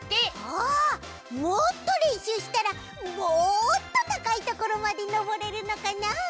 あもっとれんしゅうしたらもっとたかいところまでのぼれるのかなあ？